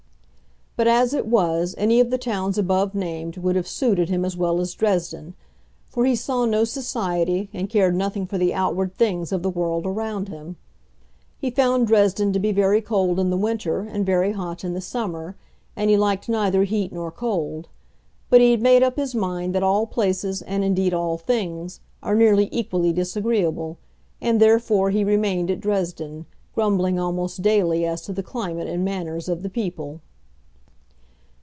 But, as it was, any of the towns above named would have suited him as well as Dresden, for he saw no society, and cared nothing for the outward things of the world around him. He found Dresden to be very cold in the winter and very hot in the summer, and he liked neither heat nor cold; but he had made up his mind that all places, and indeed all things, are nearly equally disagreeable, and therefore he remained at Dresden, grumbling almost daily as to the climate and manners of the people.